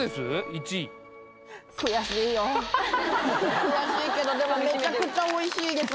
１位悔しいけどでもめちゃくちゃおいしいです